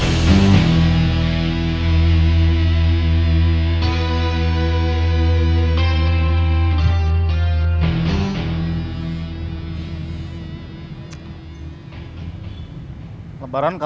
itu yang kamu inginkan